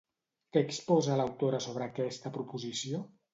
Què exposa l'autora sobre aquesta proposició?